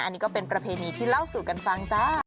อันนี้ก็เป็นประเพณีที่เล่าสู่กันฟังจ้า